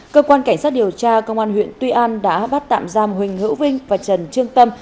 cơ quan cảnh sát điều tra công an huyện tuy an đã bắt tạm giam huỳnh hữu vinh và trần trương tâm